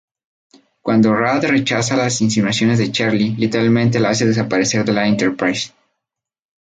Cuando Rand rechaza las insinuaciones de Charlie, literalmente la hace desaparecer de la Enterprise.